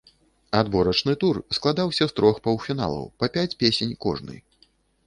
Адборачны тур складаўся з трох паўфіналаў па пяць песень кожны.